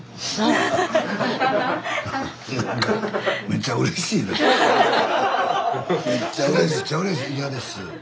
めっちゃうれしい「イヤです」。